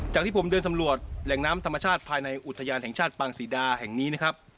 ที่ผมเดินสำรวจแหล่งน้ำธรรมชาติภายในอุทยานแห่งชาติปางศรีดาแห่งนี้นะครับ